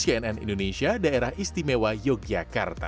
tim liputan cnn indonesia daerah istimewa yogyakarta